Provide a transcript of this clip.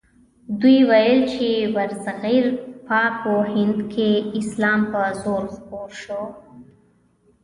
دوی ویل چې برصغیر پاک و هند کې اسلام په زور خپور شو.